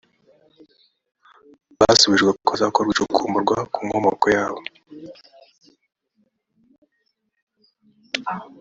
basubijwe ko hazakorwa icukumbura ku nkomoko yabo